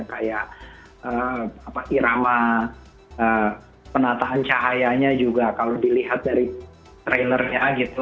kayak irama penataan cahayanya juga kalau dilihat dari trainernya gitu